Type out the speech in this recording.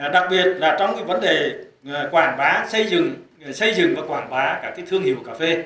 đặc biệt là trong vấn đề xây dựng và quảng bá các thương hiệu cà phê